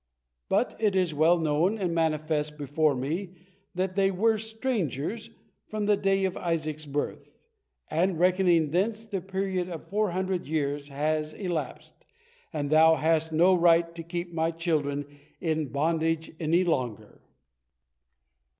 But it is well known and manifest before Me that they were 'strangers' from the day of Isaac's birth, and. reckoning thence, the period of four hundred years has elapsed, and thou hast no right to keep My children in bondage any longer."